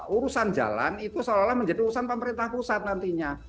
urusan jalan itu seolah olah menjadi urusan pemerintah pusat nantinya